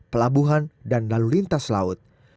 pelabuhan dan lalu lintas laut